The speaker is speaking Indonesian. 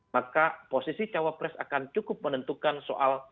maka posisi cawapres akan cukup menentukan soal